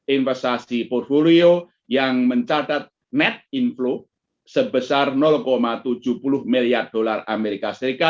investasi portfolio yang mencatat net inflow sebesar tujuh puluh miliar dolar as